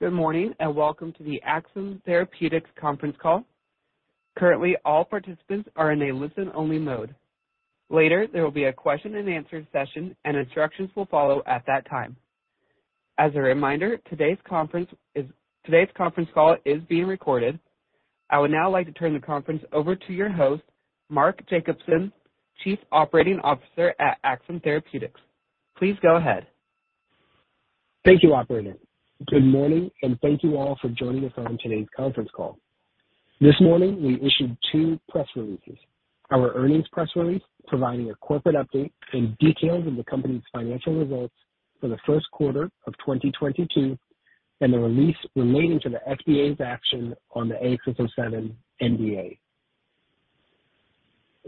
Good morning, and welcome to the Axsome Therapeutics conference call. Currently, all participants are in a listen-only mode. Later, there will be a question-and-answer session, and instructions will follow at that time. As a reminder, today's conference call is being recorded. I would now like to turn the conference over to your host, Mark Jacobson, Chief Operating Officer at Axsome Therapeutics. Please go ahead. Thank you, operator. Good morning, and thank you all for joining us on today's conference call. This morning we issued two press releases. Our earnings press release providing a corporate update and details of the company's financial results for the first quarter of 2022, and the release relating to the FDA's action on the AXS-07 NDA.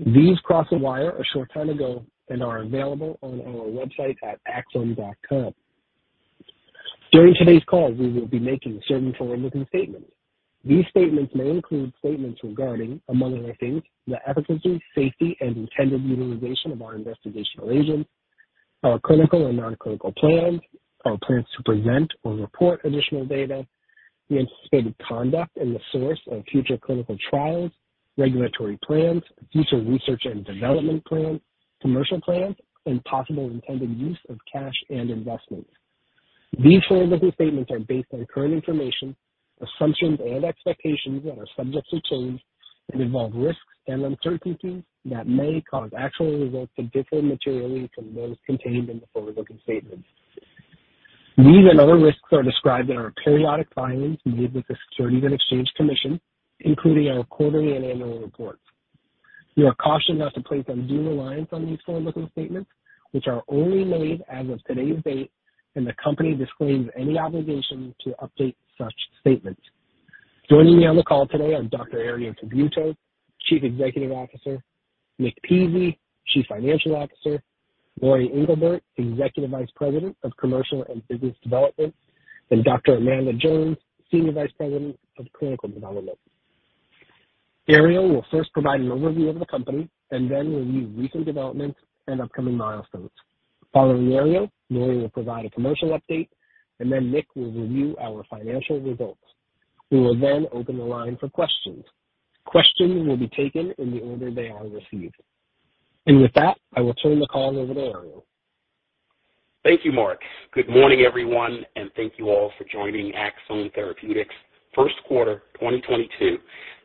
These crossed the wire a short time ago and are available on our website at axsome.com. During today's call, we will be making certain forward-looking statements. These statements may include statements regarding, among other things, the efficacy, safety, and intended utilization of our investigational agents, our clinical and non-clinical plans, our plans to present or report additional data, the anticipated conduct and the source of future clinical trials, regulatory plans, future research and development plans, commercial plans, and possible intended use of cash and investments. These forward-looking statements are based on current information, assumptions, and expectations that are subject to change and involve risks and uncertainties that may cause actual results to differ materially from those contained in the forward-looking statements. These and other risks are described in our periodic filings made with the Securities and Exchange Commission, including our quarterly and annual reports. You are cautioned not to place undue reliance on these forward-looking statements, which are only made as of today's date, and the company disclaims any obligation to update such statements. Joining me on the call today are Dr. Herriot Tabuteau, Chief Executive Officer, Nick Pizzie, Chief Financial Officer, Lori Englebert, Executive Vice President of Commercial and Business Development, and Dr. Amanda Jones, Senior Vice President of Clinical Development. Herriot will first provide an overview of the company and then review recent developments and upcoming milestones. Following Herriot, Lori will provide a commercial update, and then Nick will review our financial results. We will then open the line for questions. Questions will be taken in the order they are received. With that, I will turn the call over to Herriot. Thank you, Mark. Good morning, everyone, and thank you all for joining Axsome Therapeutics' first quarter 2022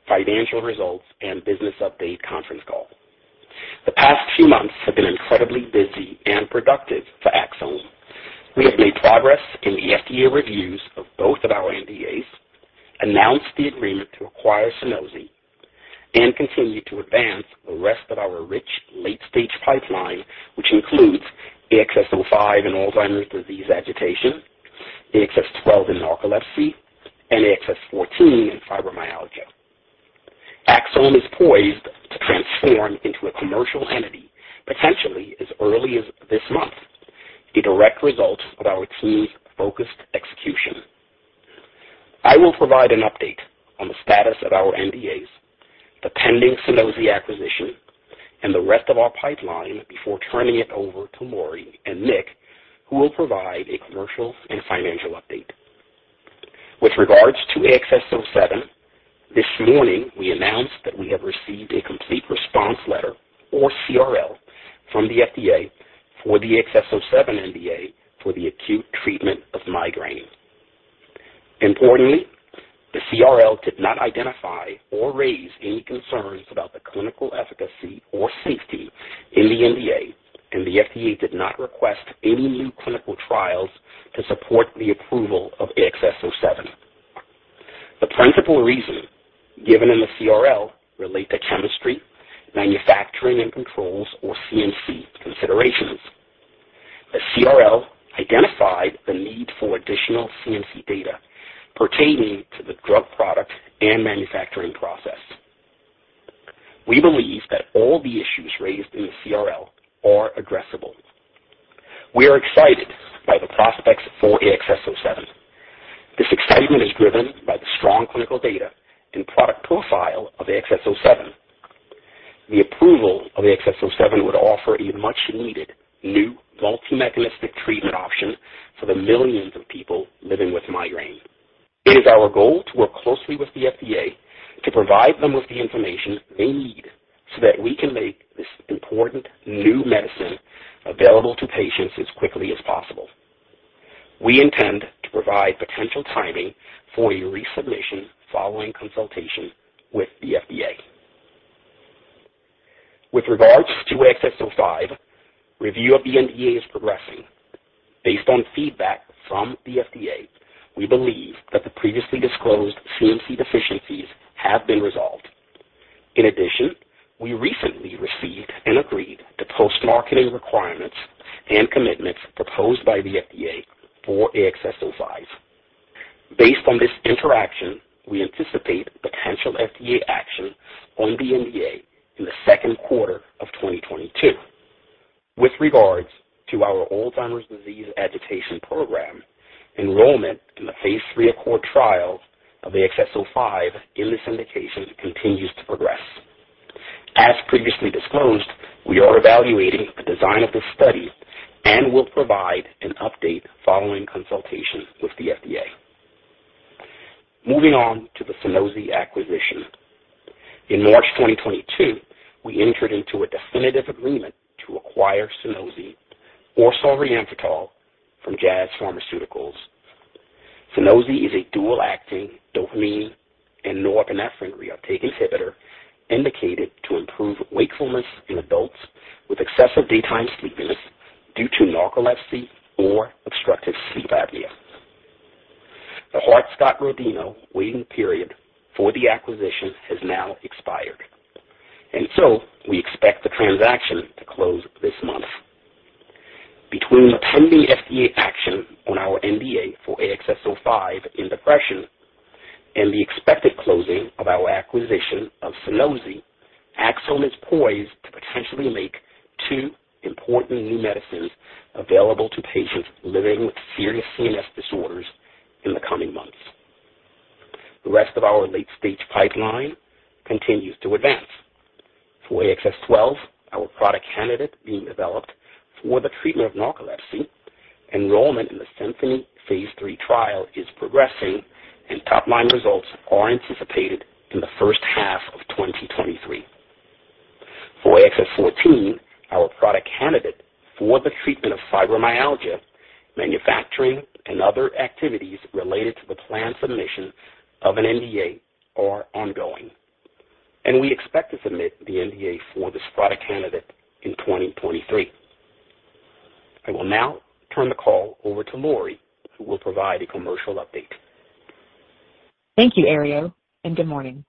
financial results and business update conference call. The past few months have been incredibly busy and productive for Axsome. We have made progress in the FDA reviews of both of our NDAs, announced the agreement to acquire SUNOSI, and continue to advance the rest of our rich late-stage pipeline, which includes AXS-05 in Alzheimer's disease agitation, AXS-12 in narcolepsy, and AXS-14 in fibromyalgia. Axsome is poised to transform into a commercial entity potentially as early as this month, a direct result of our team's focused execution. I will provide an update on the status of our NDAs, the pending SUNOSI acquisition, and the rest of our pipeline before turning it over to Lori and Nick, who will provide a commercial and financial update. With regards to AXS-07, this morning we announced that we have received a complete response letter, or CRL, from the FDA for the AXS-07 NDA for the acute treatment of migraine. Importantly, the CRL did not identify or raise any concerns about the clinical efficacy or safety in the NDA, and the FDA did not request any new clinical trials to support the approval of AXS-07. The principal reason given in the CRL relate to chemistry, manufacturing, and controls or CMC considerations. The CRL identified the need for additional CMC data pertaining to the drug product and manufacturing process. We believe that all the issues raised in the CRL are addressable. We are excited by the prospects for AXS-07. This excitement is driven by the strong clinical data and product profile of AXS-07. The approval of AXS-07 would offer a much needed new multi-mechanistic treatment option for the millions of people living with migraine. It is our goal to work closely with the FDA to provide them with the information they need so that we can make this important new medicine available to patients as quickly as possible. We intend to provide potential timing for a resubmission following consultation with the FDA. With regards to AXS-05, review of the NDA is progressing. Based on feedback from the FDA, we believe that the previously disclosed CMC deficiencies have been resolved. In addition, we recently received and agreed to post-marketing requirements and commitments proposed by the FDA for AXS-05. Based on this interaction, we anticipate potential FDA action on the NDA in the second quarter of 2022. With regards to our Alzheimer's disease agitation program, enrollment in the phase III ACCORD trial of AXS-05 in this indication continues to progress. As previously disclosed, we are evaluating the design of this study and will provide an update following consultation with the FDA. Moving on to the SUNOSI acquisition. In March 2022, we entered into a definitive agreement to acquire SUNOSI or solriamfetol from Jazz Pharmaceuticals. SUNOSI is a dual-acting dopamine and norepinephrine reuptake inhibitor indicated to improve wakefulness in adults with excessive daytime sleepiness due to narcolepsy or obstructive sleep apnea. The Hart-Scott-Rodino waiting period for the acquisition has now expired, and so we expect the transaction to close this month. Between the pending FDA action on our NDA for AXS-05 in depression and the expected closing of our acquisition of SUNOSI, Axsome is poised to potentially make two important new medicines available to patients living with serious CNS disorders in the coming months. The rest of our late-stage pipeline continues to advance. For AXS-12, our product candidate being developed for the treatment of narcolepsy, enrollment in the SYMPHONY phase III trial is progressing, and top-line results are anticipated in the first half of 2023. For AXS-14, our product candidate for the treatment of fibromyalgia, manufacturing and other activities related to the planned submission of an NDA are ongoing, and we expect to submit the NDA for this product candidate in 2023. I will now turn the call over to Lori, who will provide a commercial update. Thank you, Herriot, and good morning.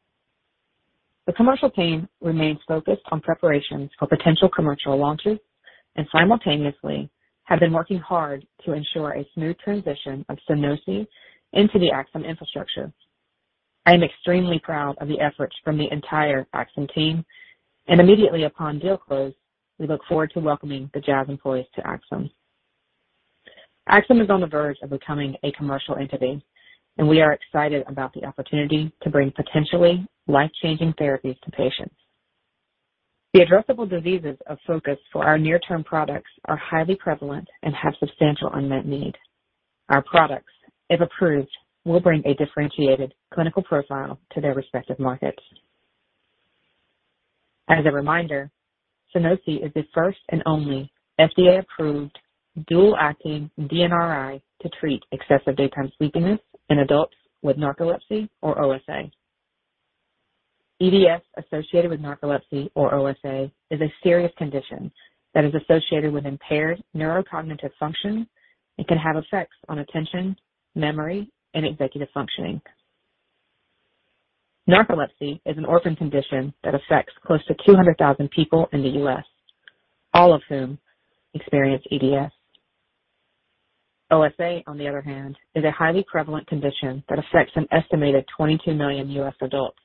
The commercial team remains focused on preparations for potential commercial launches and simultaneously have been working hard to ensure a smooth transition of SUNOSI into the Axsome infrastructure. I am extremely proud of the efforts from the entire Axsome team. Immediately upon deal close, we look forward to welcoming the Jazz employees to Axsome. Axsome is on the verge of becoming a commercial entity, and we are excited about the opportunity to bring potentially life-changing therapies to patients. The addressable diseases of focus for our near-term products are highly prevalent and have substantial unmet need. Our products, if approved, will bring a differentiated clinical profile to their respective markets. As a reminder, SUNOSI is the first and only FDA-approved dual-acting DNRI to treat excessive daytime sleepiness in adults with narcolepsy or OSA. EDS associated with narcolepsy or OSA is a serious condition that is associated with impaired neurocognitive function and can have effects on attention, memory, and executive functioning. Narcolepsy is an orphan condition that affects close to 200,000 people in the U.S., all of whom experience EDS. OSA, on the other hand, is a highly prevalent condition that affects an estimated 22 million U.S. adults.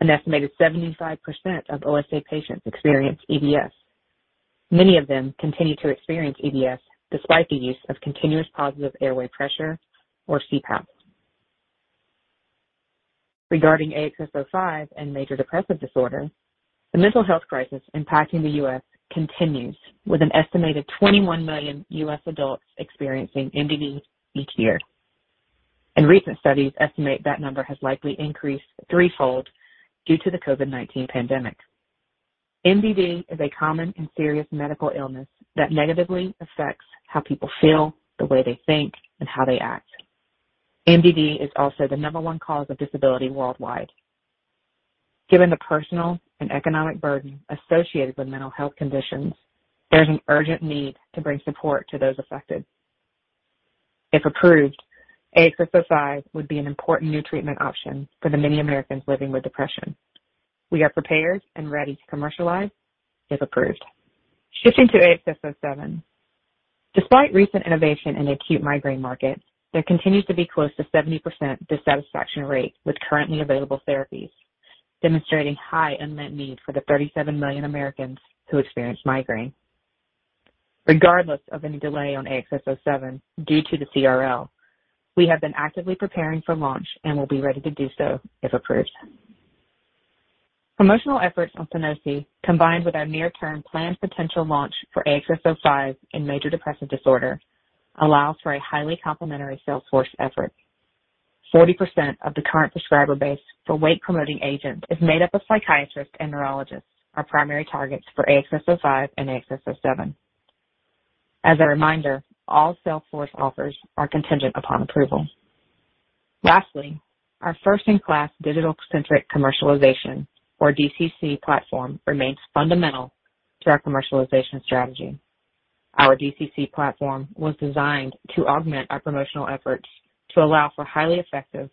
An estimated 75% of OSA patients experience EDS. Many of them continue to experience EDS despite the use of continuous positive airway pressure, or CPAP. Regarding AXS-05 and major depressive disorder, the mental health crisis impacting the U.S. continues, with an estimated 21 million U.S. adults experiencing MDD each year. Recent studies estimate that number has likely increased threefold due to the COVID-19 pandemic. MDD is a common and serious medical illness that negatively affects how people feel, the way they think, and how they act. MDD is also the number one cause of disability worldwide. Given the personal and economic burden associated with mental health conditions, there's an urgent need to bring support to those affected. If approved, AXS-05 would be an important new treatment option for the many Americans living with depression. We are prepared and ready to commercialize if approved. Shifting to AXS-07. Despite recent innovation in the acute migraine market, there continues to be close to 70% dissatisfaction rate with currently available therapies, demonstrating high unmet need for the 37 million Americans who experience migraine. Regardless of any delay on AXS-07 due to the CRL, we have been actively preparing for launch and will be ready to do so if approved. Promotional efforts on SUNOSI, combined with our near-term planned potential launch for AXS-05 in major depressive disorder, allows for a highly complementary sales force effort. 40% of the current prescriber base for wake-promoting agent is made up of psychiatrists and neurologists, our primary targets for AXS-05 and AXS-07. As a reminder, all salesforce offers are contingent upon approval. Lastly, our first-in-class digital-centric commercialization, or DCC platform, remains fundamental to our commercialization strategy. Our DCC platform was designed to augment our promotional efforts to allow for highly effective,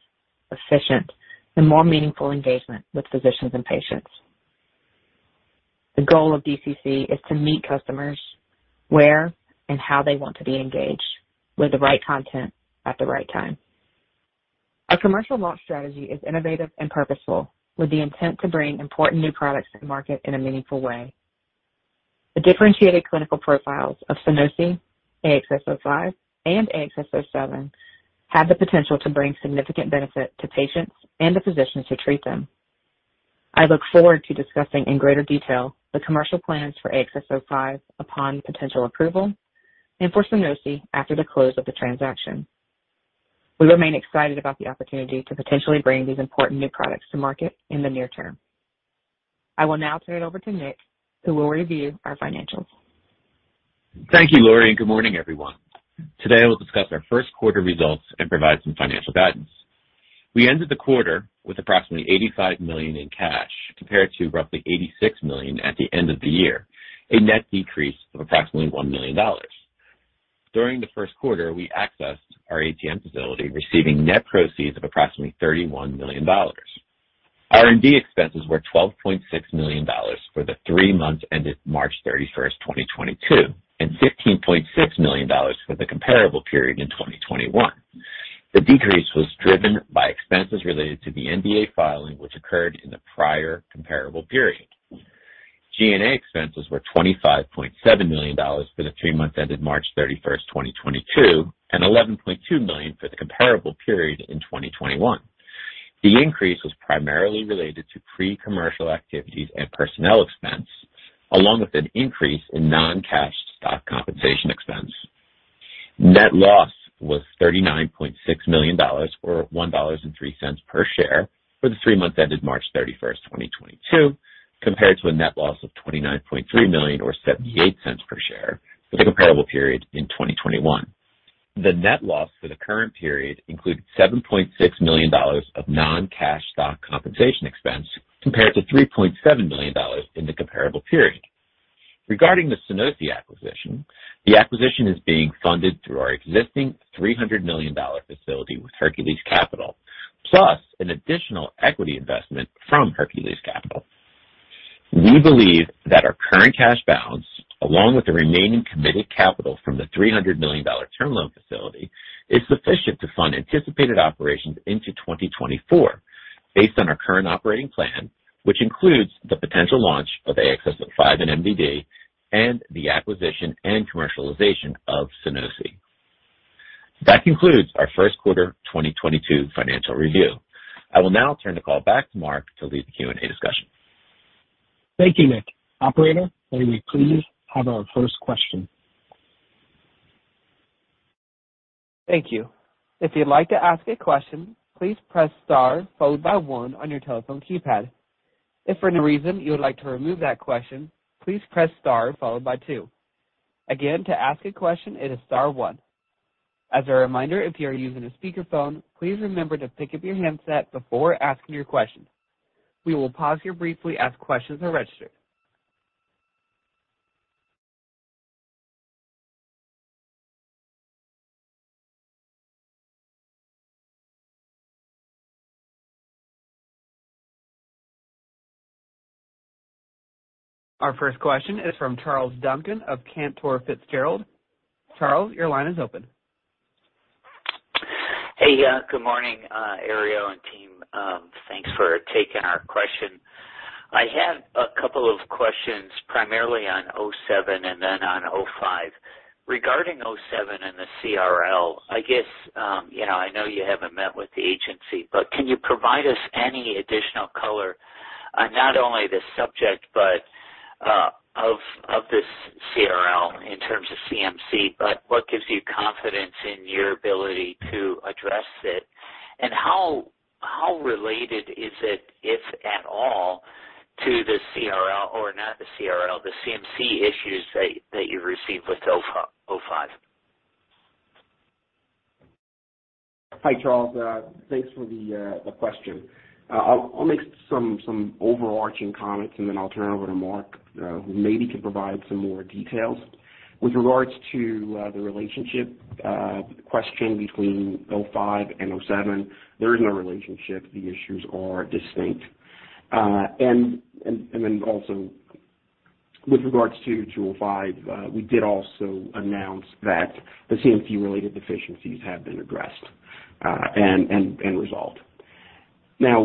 efficient, and more meaningful engagement with physicians and patients. The goal of DCC is to meet customers where and how they want to be engaged, with the right content at the right time. Our commercial launch strategy is innovative and purposeful, with the intent to bring important new products to market in a meaningful way. The differentiated clinical profiles of SUNOSI, AXS-05 and AXS-07 have the potential to bring significant benefit to patients and the physicians who treat them. I look forward to discussing in greater detail the commercial plans for AXS-05 upon potential approval and for SUNOSI after the close of the transaction. We remain excited about the opportunity to potentially bring these important new products to market in the near term. I will now turn it over to Nick, who will review our financials. Thank you, Lori, and good morning, everyone. Today, I will discuss our first quarter results and provide some financial guidance. We ended the quarter with approximately $85 million in cash compared to roughly $86 million at the end of the year, a net decrease of approximately $1 million. During the first quarter, we accessed our ATM facility, receiving net proceeds of approximately $31 million. R&D expenses were $12.6 million for the three months ended March 31st, 2022, and $15.6 million for the comparable period in 2021. The decrease was driven by expenses related to the NDA filing, which occurred in the prior comparable period. G&A expenses were $25.7 million for the three months ended March 31st, 2022, and $11.2 million for the comparable period in 2021. The increase was primarily related to pre-commercial activities and personnel expense, along with an increase in non-cash stock compensation expense. Net loss was $39.6 million, or $1.03 per share for the three months ended March 31st, 2022, compared to a net loss of $29.3 million or $0.78 per share for the comparable period in 2021. The net loss for the current period included $7.6 million of non-cash stock compensation expense, compared to $3.7 million in the comparable period. Regarding the SUNOSI acquisition, the acquisition is being funded through our existing $300 million facility with Hercules Capital, plus an additional equity investment from Hercules Capital. We believe that our current cash balance, along with the remaining committed capital from the $300 million term loan facility, is sufficient to fund anticipated operations into 2024 based on our current operating plan, which includes the potential launch of AXS-05 and MDD and the acquisition and commercialization of SUNOSI. That concludes our first quarter 2022 financial review. I will now turn the call back to Mark to lead the Q&A discussion. Thank you, Nick. Operator, may we please have our first question? Thank you. If you'd like to ask a question, please press star followed by one on your telephone keypad. If for any reason you would like to remove that question, please press star followed by two. Again, to ask a question, it is star one. As a reminder, if you are using a speakerphone, please remember to pick up your handset before asking your question. We will pause here briefly as questions are registered. Our first question is from Charles Duncan of Cantor Fitzgerald. Charles, your line is open. Hey, good morning, Herriot and team. Thanks for taking our question. I had a couple of questions, primarily on 07 and then on 05. Regarding 07 and the CRL, I guess, you know, I know you haven't met with the agency, but can you provide us any additional color on not only the subject but of this CRL in terms of CMC, but what gives you confidence in your ability to address it? And how related is it, if at all, to the CRL or not the CRL, the CMC issues that you received with 05? Hi, Charles. Thanks for the question. I'll make some overarching comments, and then I'll turn over to Mark, who maybe can provide some more details. With regards to the relationship question between 05 and 07, there is no relationship. The issues are distinct. Also with regards to 05, we did also announce that the CMC-related deficiencies have been addressed and resolved. Now,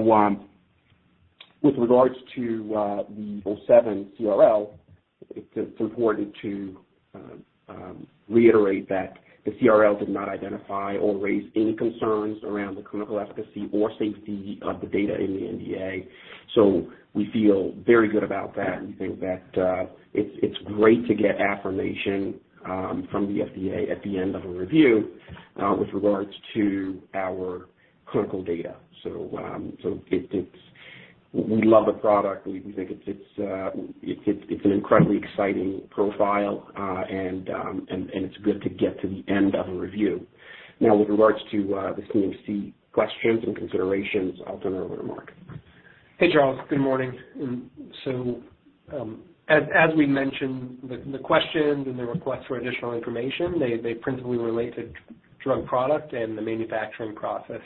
with regards to the 07 CRL, it's important to reiterate that the CRL did not identify or raise any concerns around the clinical efficacy or safety of the data in the NDA. So we feel very good about that. We think that it's great to get affirmation from the FDA at the end of a review with regards to our clinical data. We love the product. We think it's an incredibly exciting profile. It's good to get to the end of a review. Now, with regards to the CMC questions and considerations, I'll turn it over to Mark. Hey, Charles. Good morning. As we mentioned, the questions and the requests for additional information, they principally relate to drug product and the manufacturing process.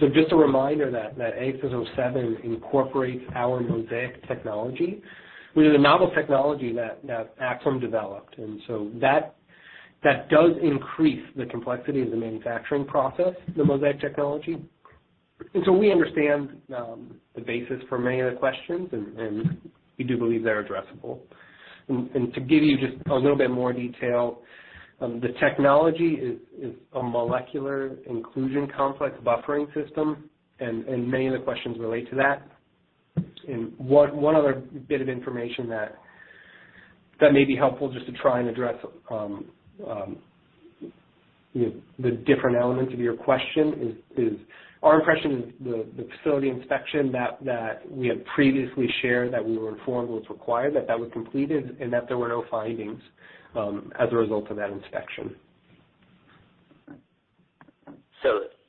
Just a reminder that AXS-07 incorporates our MoSEIC technology, which is a novel technology that Axsome developed. That does increase the complexity of the manufacturing process, the MoSEIC technology. We understand the basis for many of the questions and we do believe they're addressable. To give you just a little bit more detail, the technology is a molecular inclusion complex buffering system, and many of the questions relate to that. One other bit of information that may be helpful just to try and address, you know, the different elements of your question is our impression the facility inspection that we had previously shared that we were informed was required, that was completed and that there were no findings as a result of that inspection.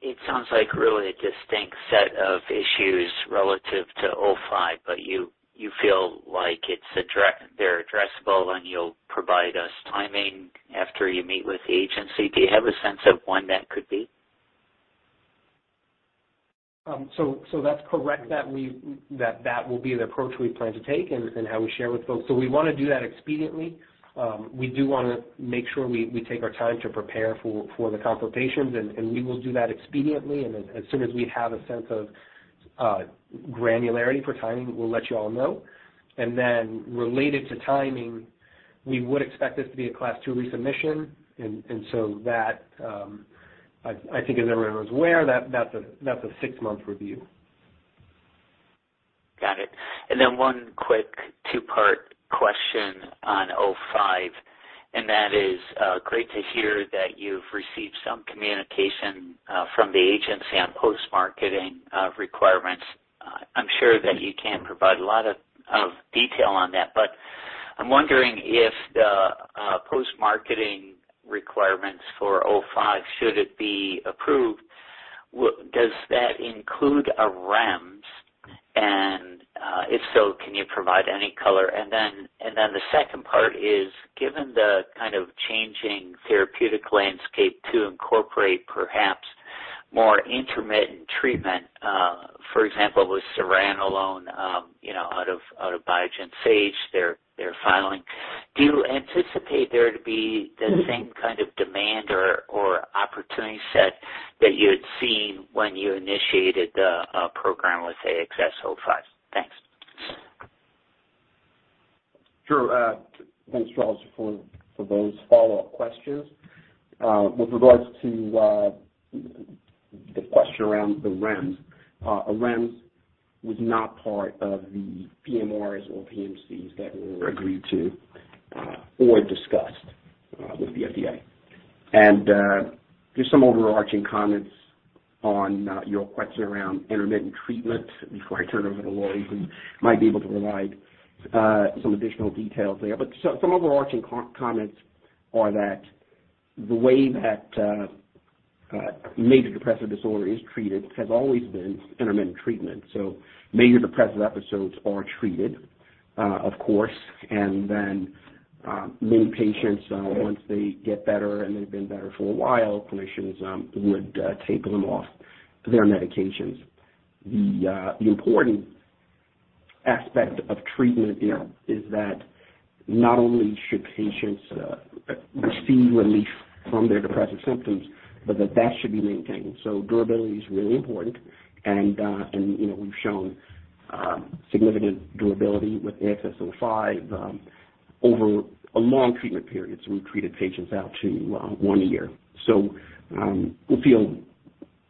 It sounds like really a distinct set of issues relative to 05, but you feel like they're addressable, and you'll provide us timing after you meet with the agency. Do you have a sense of when that could be? That's correct that that will be the approach we plan to take and how we share with folks. We wanna do that expediently. We do wanna make sure we take our time to prepare for the consultations, and we will do that expediently. As soon as we have a sense of granularity for timing, we'll let you all know. Then related to timing, we would expect this to be a Class 2 resubmission. So that, I think as everyone was aware that that's a six-month review. Got it. Then one quick two-part question on 05, and that is, great to hear that you've received some communication from the agency on post-marketing requirements. I'm sure that you can't provide a lot of detail on that, but I'm wondering if the post-marketing requirements for 05, should it be approved, does that include a REMS? And, if so, can you provide any color? Then the second part is, given the kind of changing therapeutic landscape to incorporate perhaps more intermittent treatment, for example, with zuranolone, you know, out of Biogen/Sage, their filing. Do you anticipate there to be the same kind of demand or opportunity set that you had seen when you initiated the program with AXS-05? Thanks. Sure. Thanks, Charles, for those follow-up questions. With regards to the question around the REMS, a REMS was not part of the PMRs or PMCs that were agreed to or discussed with the FDA. Just some overarching comments on your question around intermittent treatment before I turn it over to Lori, who might be able to provide some additional details there. Some overarching comments are that the way that major depressive disorder is treated has always been intermittent treatment. Major depressive episodes are treated, of course. Then, many patients once they get better and they've been better for a while, clinicians would taper them off their medications. The important aspect of treatment here is that not only should patients receive relief from their depressive symptoms, but that should be maintained. Durability is really important. You know, we've shown significant durability with AXS-05 over a long treatment period. We've treated patients out to one year. We feel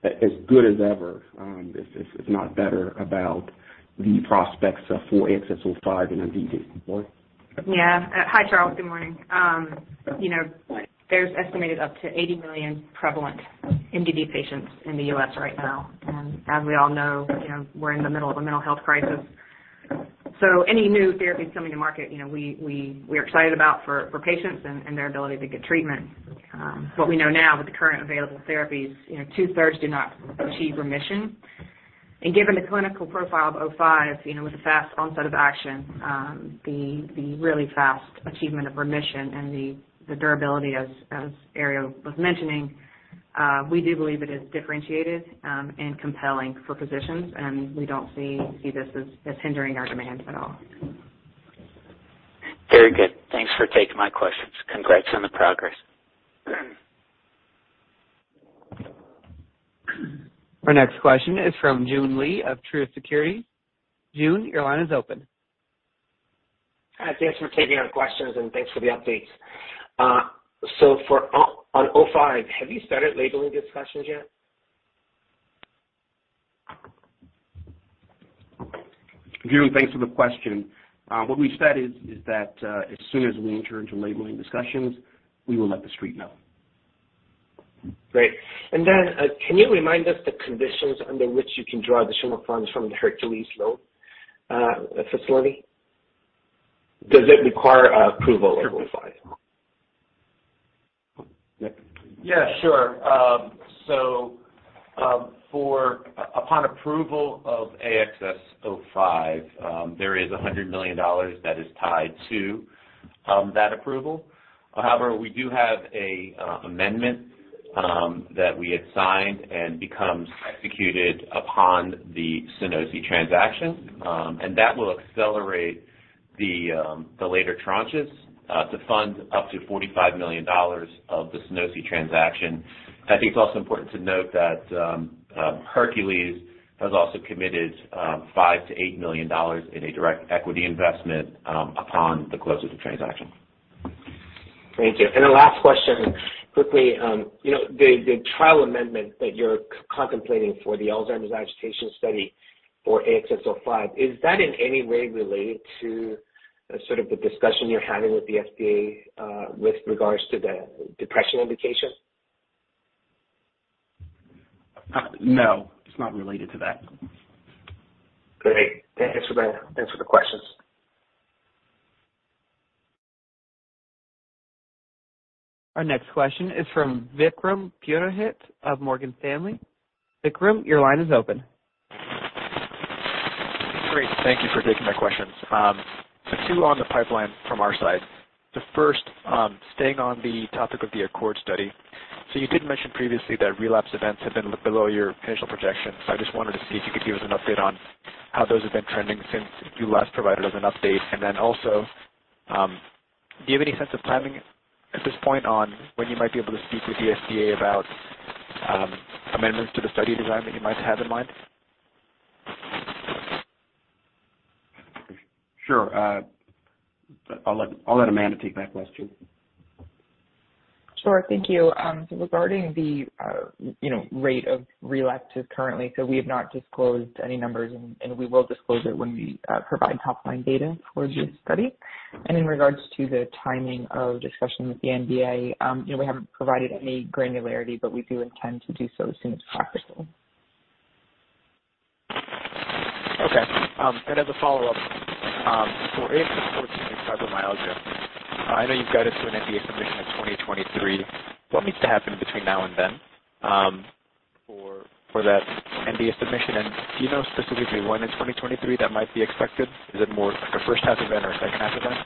as good as ever, if not better, about the prospects for AXS-05 in MDD. Lori? Yeah. Hi, Charles. Good morning. You know, there's estimated up to 80 million prevalent MDD patients in the U.S. right now. As we all know, you know, we're in the middle of a mental health crisis. Any new therapies coming to market, you know, we're excited about for patients and their ability to get treatment. What we know now with the current available therapies, you know, two-thirds do not achieve remission. Given the clinical profile of 05, you know, with a fast onset of action, the really fast achievement of remission and the durability, as Herriot Tabuteau was mentioning, we do believe it is differentiated and compelling for physicians, and we don't see this as hindering our demand at all. Very good. Thanks for taking my questions. Congrats on the progress. Our next question is from Joon Lee of Truist Securities. Joon, your line is open. Hi. Thanks for taking our questions, and thanks for the updates. For 05, have you started labeling discussions yet? Joon, thanks for the question. What we've said is that, as soon as we enter into labeling discussions, we will let the street know. Great. Can you remind us the conditions under which you can draw some funds from the Hercules loan facility? Does it require approval of AXS-05? Upon approval of AXS-05, there is $100 million that is tied to that approval. However, we do have an amendment that we had signed and becomes executed upon the SUNOSI transaction. That will accelerate the later tranches to fund up to $45 million of the SUNOSI transaction. I think it's also important to note that Hercules has also committed $5 million-$8 million in a direct equity investment upon the close of the transaction. Thank you. The last question quickly, you know, the trial amendment that you're contemplating for the Alzheimer's agitation study for AXS-05, is that in any way related to sort of the discussion you're having with the FDA, with regards to the depression indication? No, it's not related to that. Great. Thank you. Thanks for the questions. Our next question is from Vikram Purohit of Morgan Stanley. Vikram, your line is open. Great. Thank you for taking my questions. Two on the pipeline from our side. The first, staying on the topic of the ACCORD study. You did mention previously that relapse events have been below your initial projections. I just wanted to see if you could give us an update on how those have been trending since you last provided us an update. Then also, do you have any sense of timing at this point on when you might be able to speak with the FDA about, amendments to the study design that you might have in mind? Sure. I'll let Amanda take that question. Sure. Thank you. Regarding the, you know, rate of relapses currently, so we have not disclosed any numbers, and we will disclose it when we provide top-line data for the study. In regards to the timing of discussion with the NDA, you know, we haven't provided any granularity, but we do intend to do so as soon as possible. Okay. As a follow-up, for AXS-14 and fibromyalgia, I know you've guided to an NDA submission in 2023. What needs to happen between now and then, for that NDA submission? Do you know specifically when in 2023 that might be expected? Is it more like a first half event or a second half event?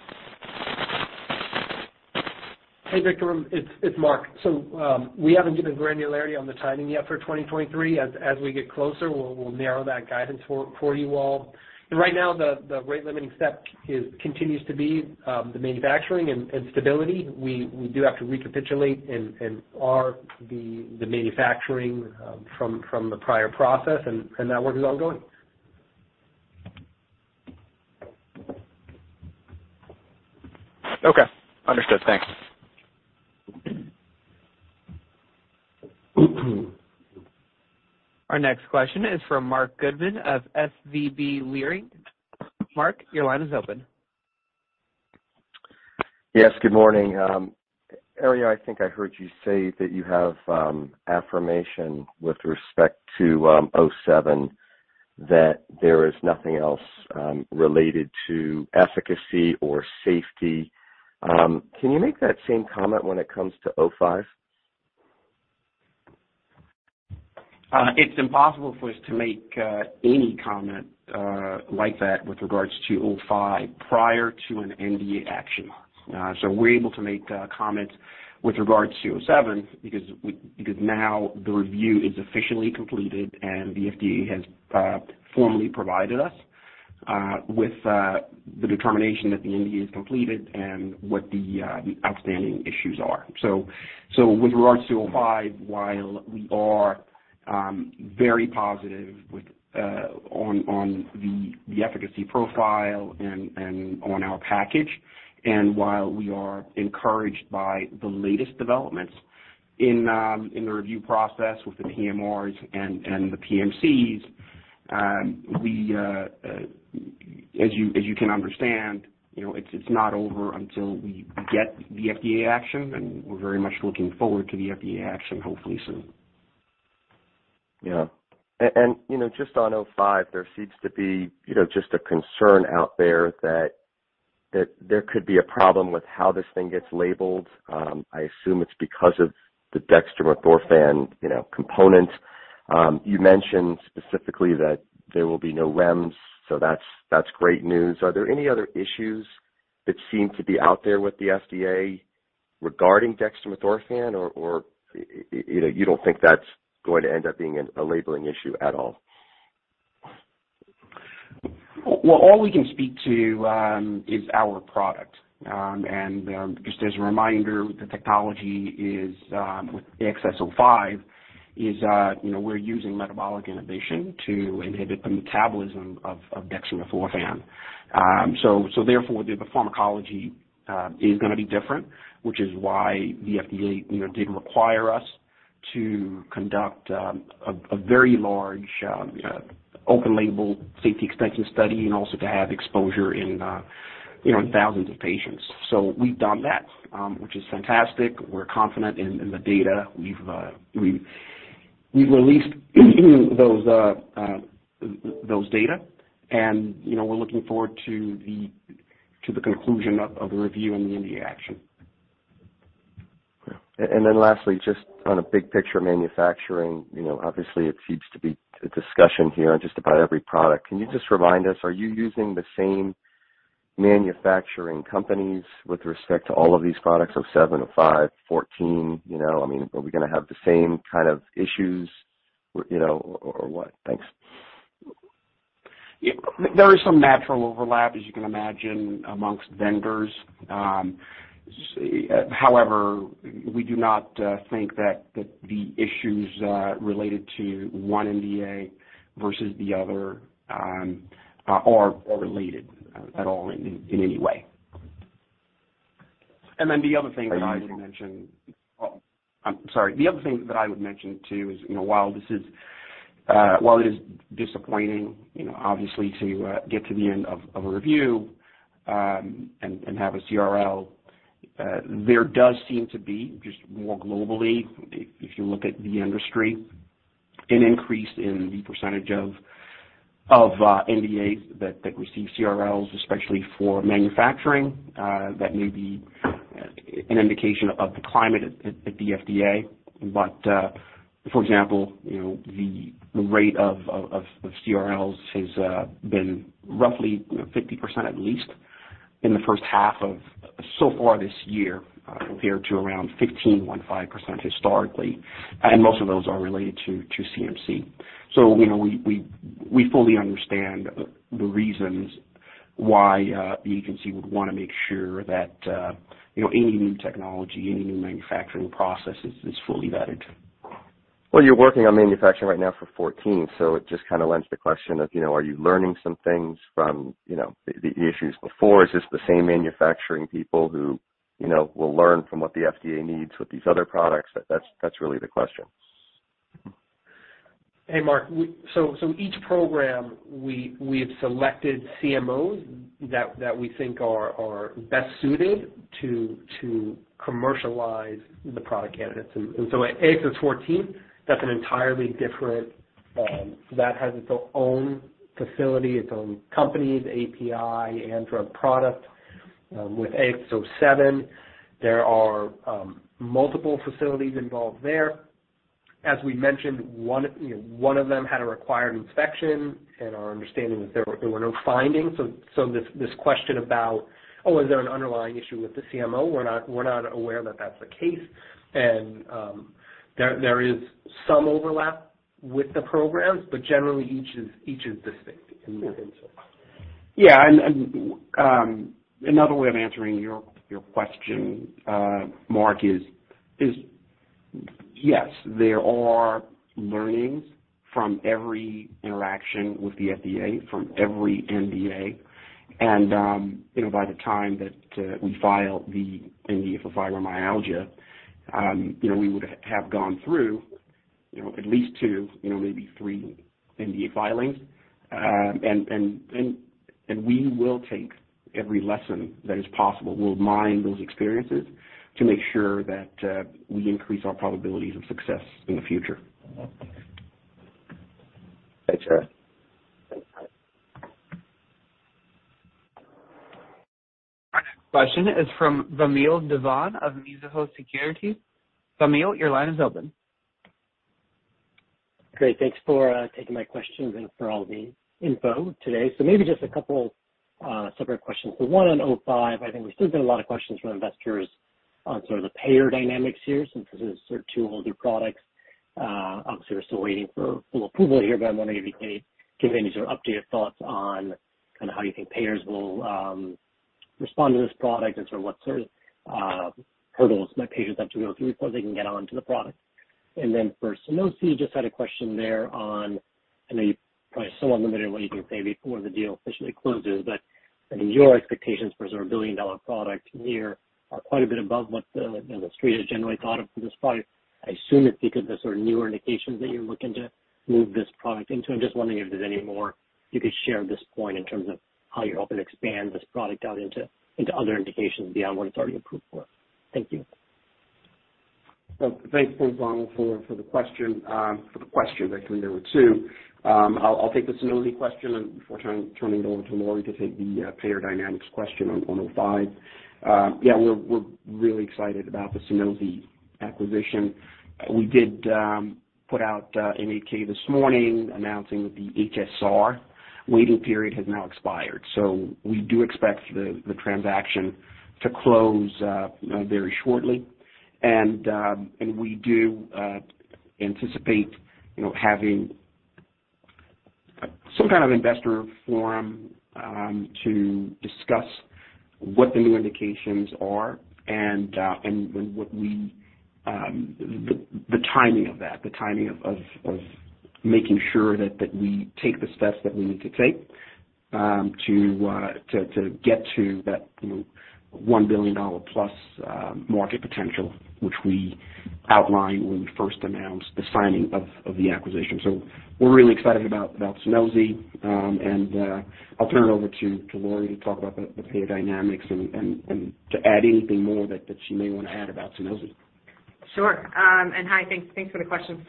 Hey, Vikram, it's Mark. We haven't given granularity on the timing yet for 2023. As we get closer, we'll narrow that guidance for you all. Right now the rate limiting step continues to be the manufacturing and stability. We do have to recapitulate and redo the manufacturing from the prior process, and that work is ongoing. Okay. Understood. Thanks. Our next question is from Marc Goodman of SVB Leerink. Marc, your line is open. Yes, good morning. Herriot, I think I heard you say that you have affirmation with respect to 07, that there is nothing else related to efficacy or safety. Can you make that same comment when it comes to 05? It's impossible for us to make any comment like that with regards to 05 prior to an NDA action. We're able to make comments with regards to 07 because now the review is officially completed, and the FDA has formally provided us with the determination that the NDA is completed and what the outstanding issues are. With regards to 05, while we are very positive with on the efficacy profile and on our package, and while we are encouraged by the latest developments in the review process with the PMRs and the PMCs, as you can understand, you know, it's not over until we get the FDA action, and we're very much looking forward to the FDA action hopefully soon. Yeah, you know, just on 05, there seems to be, you know, just a concern out there that there could be a problem with how this thing gets labeled? I assume it's because of the dextromethorphan, you know, component. You mentioned specifically that there will be no REMS, so that's great news. Are there any other issues that seem to be out there with the FDA regarding dextromethorphan? Or, you know, you don't think that's going to end up being a labeling issue at all? Well, all we can speak to is our product. Just as a reminder, the technology with AXS-05 is, you know, we're using metabolic inhibition to inhibit the metabolism of dextromethorphan. Therefore the pharmacology is gonna be different, which is why the FDA, you know, did require us to conduct a very large open label safety extension study and also to have exposure in, you know, in thousands of patients. We've done that, which is fantastic. We're confident in the data. We've released those data, and, you know, we're looking forward to the conclusion of the review and the NDA action. Lastly, just on a big picture manufacturing, you know, obviously it seems to be a discussion here on just about every product. Can you just remind us, are you using the same manufacturing companies with respect to all of these products, 07, 05, 14? You know, I mean, are we gonna have the same kind of issues? You know, or what? Thanks. Yeah. There is some natural overlap, as you can imagine, among vendors. However, we do not think that the issues related to one NDA versus the other are related at all in any way. Then the other thing that I would mention. Are you- Oh, I'm sorry. The other thing that I would mention, too, is, you know, while this is while it is disappointing, you know, obviously to get to the end of a review and have a CRL, there does seem to be just more globally, if you look at the industry, an increase in the percentage of NDAs that receive CRLs, especially for manufacturing, that may be an indication of the climate at the FDA. For example, you know, the rate of CRLs has been roughly, you know, 50% at least in the first half or so far this year, compared to around 15% historically, and most of those are related to CMC. You know, we fully understand the reasons why the agency would wanna make sure that you know, any new technology, any new manufacturing process is fully vetted. Well, you're working on manufacturing right now for 14, so it just kinda lends the question of, you know, are you learning some things from, you know, the issues before? Is this the same manufacturing people who, you know, will learn from what the FDA needs with these other products? That's really the question. Hey, Mark. We've selected CMOs that we think are best suited to commercialize the product candidates. AXS-14, that's an entirely different. That has its own facility, its own company, the API and drug product. With AXS-07, there are multiple facilities involved there. As we mentioned, one of them had a required inspection, and our understanding is there were no findings. This question about, oh, is there an underlying issue with the CMO, we're not aware that that's the case. There is some overlap with the programs, but generally each is distinct in their input. Yeah. Another way of answering your question, Mark, is yes, there are learnings from every interaction with the FDA, from every NDA. By the time that we file the NDA for fibromyalgia, you know, we would have gone through, you know, at least two, you know, maybe three NDA filings. And we will take every lesson that is possible. We'll mine those experiences to make sure that we increase our probabilities of success in the future. Thanks, guys. Our next question is from Vamil Divan of Mizuho Securities. Vamil, your line is open. Great. Thanks for taking my questions and for all the info today. Maybe just a couple separate questions. One on 05, I think there's still been a lot of questions from investors on sort of the payer dynamics here since this is sort of two whole new products. Obviously, we're still waiting for full approval here, but I'm wondering if you could give any sort of updated thoughts on kinda how you think payers will respond to this product and sort of what sort of hurdles might payers have to go through before they can get onto the produc? For SUNOSI, just had a question there on. I know you're probably somewhat limited in what you can say before the deal officially closes, but I think your expectations for sort of a billion-dollar product here are quite a bit above what the street has generally thought of for this product. I assume it's because the sort of newer indications that you're looking to move this product into. I'm just wondering if there's any more you could share at this point in terms of how you're hoping to expand this product out into other indications beyond what it's already approved for? Thank you. Well, thanks, Vamil, for the questions, actually. I'll take the SUNOSI question and before turning it over to Lori to take the payer dynamics question on 05. Yeah, we're really excited about the SUNOSI acquisition. We did put out an 8-K this morning announcing that the HSR waiting period has now expired. We do expect the transaction to close, you know, very shortly. We do anticipate, you know, having some kind of investor forum to discuss what the new indications are and what we the timing of that, the timing of making sure that we take the steps that we need to take to get to that, you know, $1 billion plus market potential, which we outlined when we first announced the signing of the acquisition. We're really excited about SUNOSI. I'll turn it over to Lori to talk about the payer dynamics and to add anything more that she may wanna add about SUNOSI. Sure. Hi, thanks for the question.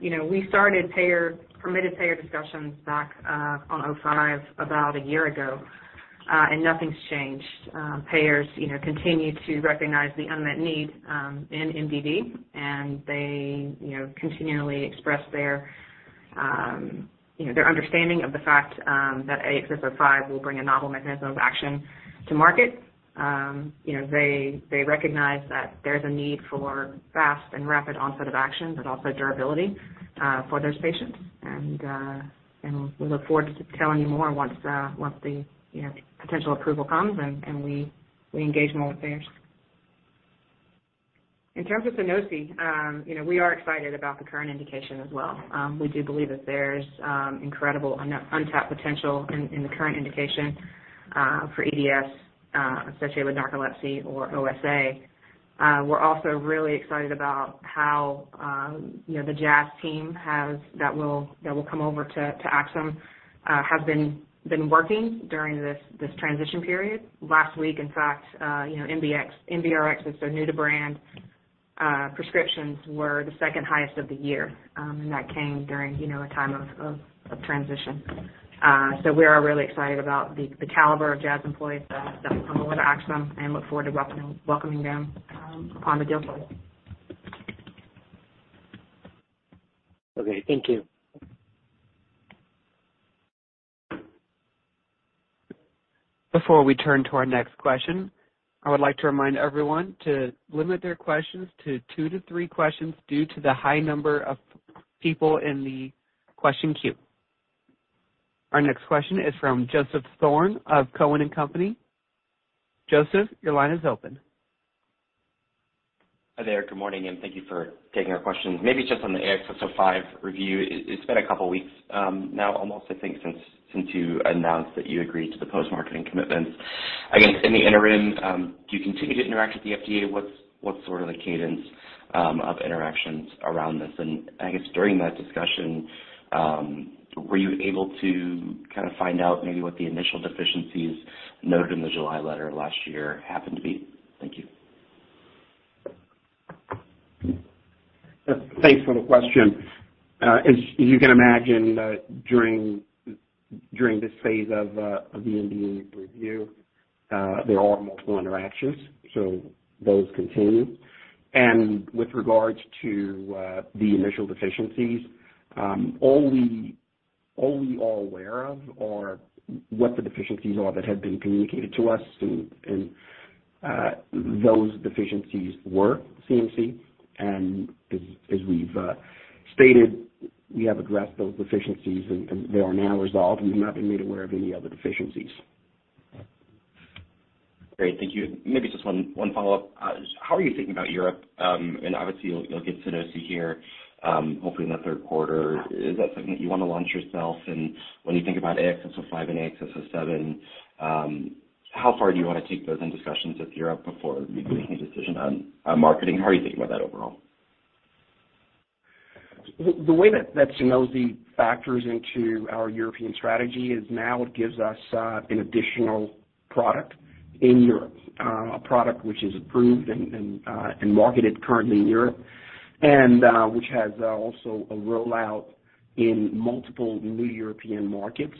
You know, we started payer-permitted payer discussions back on 05 about a year ago, and nothing's changed. Payers, you know, continue to recognize the unmet need in MDD, and they continually express their You know, their understanding of the fact that AXS-05 will bring a novel mechanism of action to market. You know, they recognize that there's a need for fast and rapid onset of action, but also durability for those patients. We look forward to telling you more once the potential approval comes and we engage more with payers. In terms of SUNOSI, you know, we are excited about the current indication as well. We do believe that there's incredible untapped potential in the current indication for EDS associated with narcolepsy or OSA. We're also really excited about how you know, the Jazz team that will come over to Axsome have been working during this transition period. Last week, in fact, you know, NBRx's are new to brand prescriptions were the second highest of the year, and that came during, you know, a time of transition. We are really excited about the caliber of Jazz employees that will come over to Axsome and look forward to welcoming them upon the deal close. Okay, thank you. Before we turn to our next question, I would like to remind everyone to limit their questions to two to three questions due to the high number of people in the question queue. Our next question is from Joseph Thome of Cowen and Co. Joseph, your line is open. Hi there. Good morning, and thank you for taking our questions. Maybe just on the AXS-05 review. It's been a couple weeks now, almost I think, since you announced that you agreed to the post-marketing commitments. I guess in the interim, do you continue to interact with the FDA? What's sort of the cadence of interactions around this? I guess during that discussion, were you able to kind of find out maybe what the initial deficiencies noted in the July letter last year happened to be? Thank you. Thanks for the question. As you can imagine, during this phase of the NDA review, there are multiple interactions, so those continue. With regards to the initial deficiencies, all we are aware of are what the deficiencies are that have been communicated to us. Those deficiencies were CMC. As we've stated, we have addressed those deficiencies and they are now resolved, and we have not been made aware of any other deficiencies. Great. Thank you. Maybe just one follow-up. How are you thinking about Europe? And obviously you'll get SUNOSI here, hopefully in the third quarter. Is that something that you wanna launch yourself? When you think about AXS-05 and AXS-07, how far do you wanna take those in discussions with Europe before making a decision on marketing? How are you thinking about that overall? The way that SUNOSI factors into our European strategy is now it gives us an additional product in Europe. A product which is approved and marketed currently in Europe, and which has also a rollout in multiple new European markets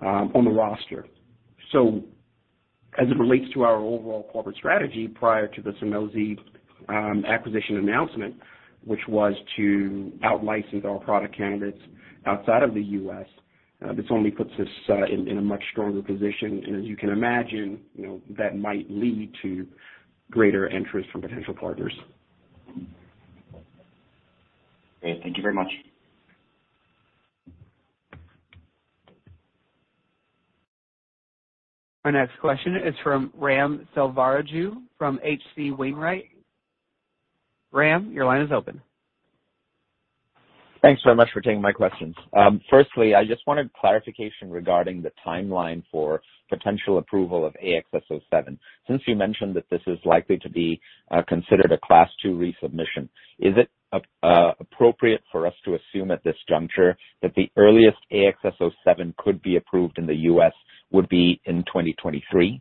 on the roster. As it relates to our overall corporate strategy prior to the SUNOSI acquisition announcement, which was to out-license our product candidates outside of the U.S., this only puts us in a much stronger position. As you can imagine, you know, that might lead to greater interest from potential partners. Great. Thank you very much. Our next question is from Ram Selvaraju from H.C. Wainwright. Ram, your line is open. Thanks so much for taking my questions. Firstly, I just wanted clarification regarding the timeline for potential approval of AXS-07. Since you mentioned that this is likely to be considered a Class 2 resubmission, is it appropriate for us to assume at this juncture that the earliest AXS-07 could be approved in the U.S. would be in 2023?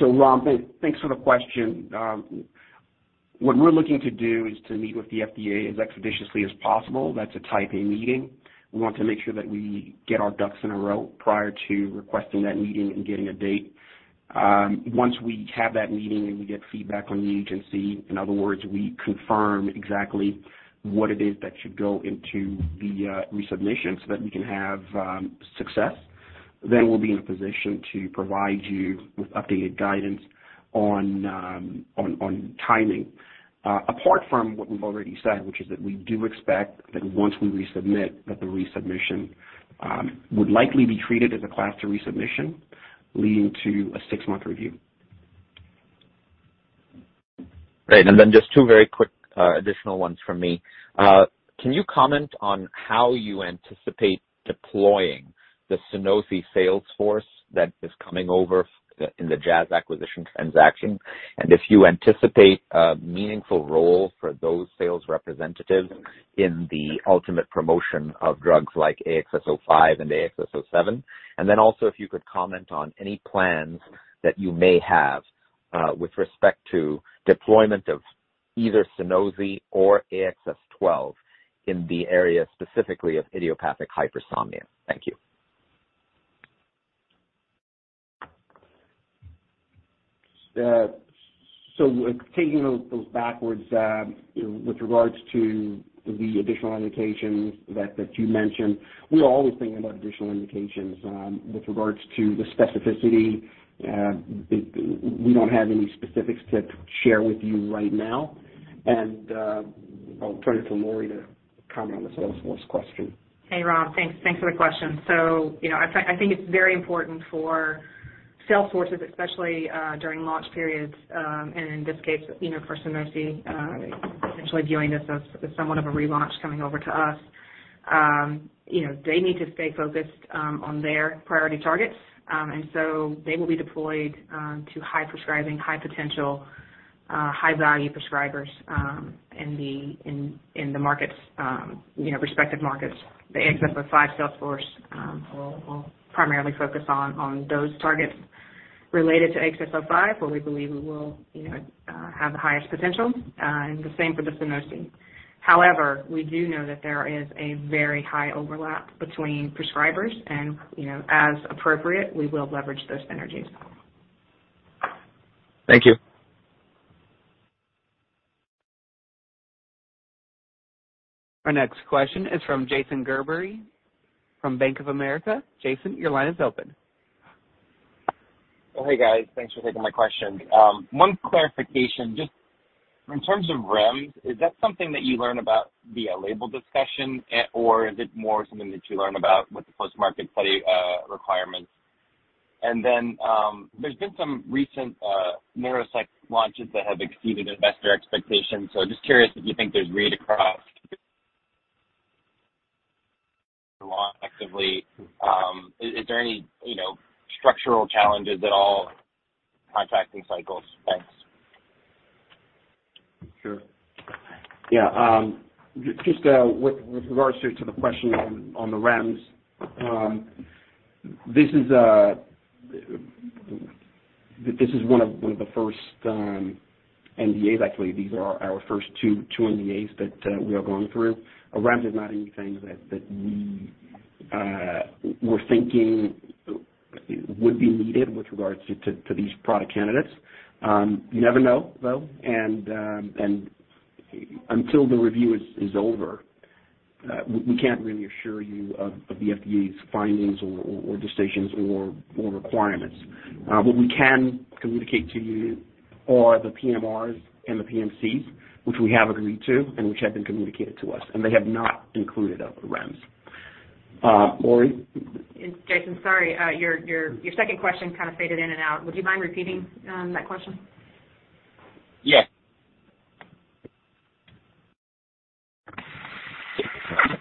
Ram, thanks for the question. What we're looking to do is to meet with the FDA as expeditiously as possible. That's a Type A meeting. We want to make sure that we get our ducks in a row prior to requesting that meeting and getting a date. Once we have that meeting and we get feedback from the agency, in other words, we confirm exactly what it is that should go into the resubmission so that we can have success, then we'll be in a position to provide you with updated guidance on timing. Apart from what we've already said, which is that we do expect that once we resubmit, that the resubmission would likely be treated as a Class 2 resubmission, leading to a six-month review. Great. Just two very quick additional ones from me. Can you comment on how you anticipate deploying the SUNOSI sales force that is coming over from the Jazz acquisition transaction? If you anticipate a meaningful role for those sales representatives in the ultimate promotion of drugs like AXS-05 and AXS-07. If you could comment on any plans that you may have with respect to deployment of either SUNOSI or AXS-12 in the area, specifically of idiopathic hypersomnia. Thank you. Taking those backwards, with regards to the additional indications that you mentioned, we're always thinking about additional indications. With regards to the specificity, we don't have any specifics to share with you right now. I'll turn it to Lori to comment on the sales force question. Hey, Ram. Thanks for the question. You know, I think it's very important for sales forces, especially during launch periods, and in this case, you know, for SUNOSI, essentially viewing this as somewhat of a relaunch coming over to us. You know, they need to stay focused on their priority targets. They will be deployed to high prescribing, high potential, high value prescribers in the markets, you know, respective markets. The AXS-05 sales force will primarily focus on those targets related to AXS-05, where we believe we will, you know, have the highest potential, and the same for SUNOSI. However, we do know that there is a very high overlap between prescribers and, you know, as appropriate, we will leverage those synergies. Thank you. Our next question is from Jason Gerberry from Bank of America. Jason, your line is open. Hey, guys. Thanks for taking my question. One clarification, just in terms of REMS, is that something that you learn about via label discussion or is it more something that you learn about with the post-market study requirements? There's been some recent neuropsych launches that have exceeded investor expectations. Just curious if you think there's read across effectively. Is there any, you know, structural challenges at all contracting cycles? Thanks. Sure. Yeah. Just with regards to the question on the REMS. This is one of the first NDAs. Actually, these are our first two NDAs that we are going through. A REMS is not anything that we were thinking would be needed with regards to these product candidates. You never know, though. Until the review is over, we can't really assure you of the FDA's findings or decisions or requirements. What we can communicate to you are the PMRs and the PMCs, which we have agreed to and which have been communicated to us, and they have not included a REMS. Lori? Jason, sorry, your second question kind of faded in and out. Would you mind repeating that question? Yeah.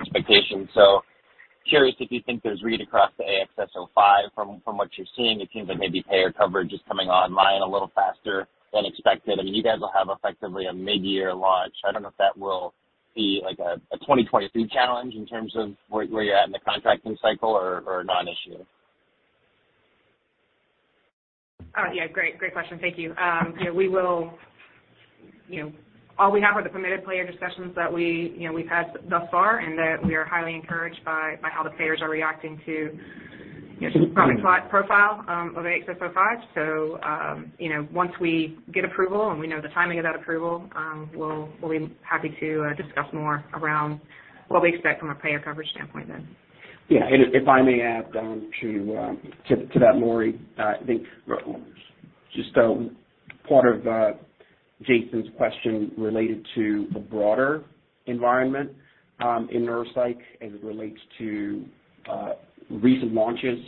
Expectations. Curious if you think there's read across the 05 from what you're seeing, it seems like maybe payer coverage is coming online a little faster than expected? I mean, you guys will have effectively a mid-year launch. I don't know if that will be like a 2023 challenge in terms of where you're at in the contracting cycle or a non-issue? Yeah, great. Great question. Thank you. You know, we will, you know, all we have are the permitted payer discussions that we, you know, we've had thus far, and that we are highly encouraged by how the payers are reacting to, you know, product profile of AXS-05. You know, once we get approval and we know the timing of that approval, we'll be happy to discuss more around what we expect from a payer coverage standpoint then. Yeah. If I may add to that, Lori, I think just part of Jason's question related to the broader environment in neuropsych as it relates to recent launches,